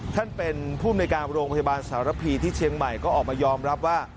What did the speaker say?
ท่านเป็นผู้มนุยการโรงพยาบาลสารพีที่เชียงใหม่ก็ออกมายอมรับว่า